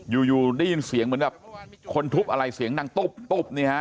อยู่ได้ยินเสียงเหมือนแบบคนทุบอะไรเสียงดังตุ๊บตุ๊บเนี่ยฮะ